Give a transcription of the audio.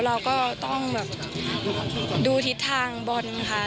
เราก็ต้องแบบดูทิศทางบอลค่ะ